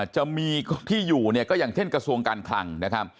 จะมีที่อยู่ก็อย่างเช่นกระทรวงการคลัง